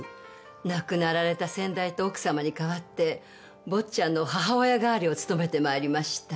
亡くなられた先代と奥様に代わって坊ちゃんの母親代わりを務めて参りました。